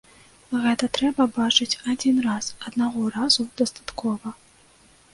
Гэта трэба бачыць адзін раз, аднаго разу дастаткова.